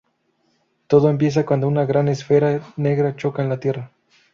Todo empieza cuando una gran esfera negra choca en la Tierra.